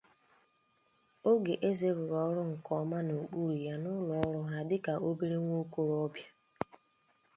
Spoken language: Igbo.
oge Eze rụrụ ọrụ nke ọma n'okpuru ya n'ụlọọrụ ha dịka obere nwaokorobịa